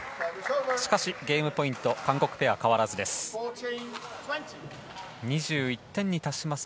しかしゲームポイント韓国ペア変わらずです。